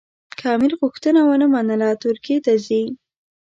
که امیر غوښتنه ونه منله ترکیې ته ځي.